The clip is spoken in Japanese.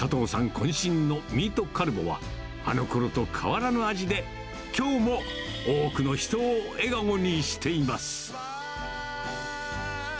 こん身のミートカルボは、あのころと変わらぬ味で、きょうも多くの人を笑顔にしています。